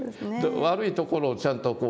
悪いところをちゃんと体で。